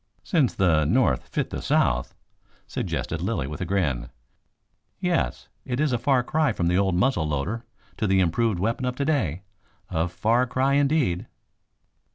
"Since the North 'fit' the South," suggested Lilly with a grin. "Yes. It is a far cry from the old muzzle loader to the improved weapon of today. A far cry, indeed."